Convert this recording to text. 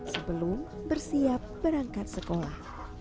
sebelum bersiap berangkat sekolah